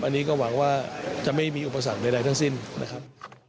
อันนี้ก็หวังว่าจะไม่มีอุปสรรคใดทั้งสิ้นนะครับ